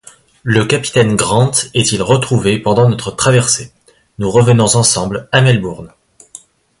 Le capitaine Grant est-il retrouvé pendant notre traversée, nous revenons ensemble à Melbourne.